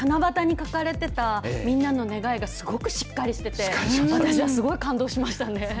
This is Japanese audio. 七夕に書かれていたみんなの願いがすごくしっかりしていて私はすごく感動しました。